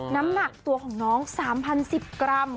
น้ำหนักตัวของน้อง๓๐๑๐กรัม